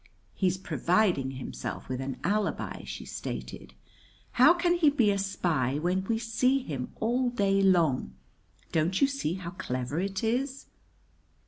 "He's providing himself with an alibi," she stated. "How can he be a spy when we see him all day long? Don't you see how clever it is?"